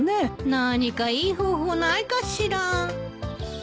何かいい方法ないかしら？